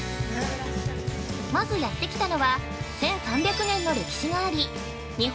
まずやって来たのは１３００年の歴史があり日本